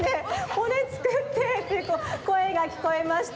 「骨つくって」ってこえがきこえました。